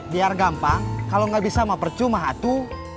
biar gampang kalau nggak bisa mau percuma hatu